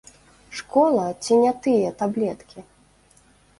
Школа ці не тыя таблеткі?